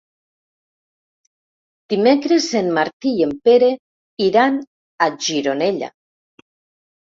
Dimecres en Martí i en Pere iran a Gironella.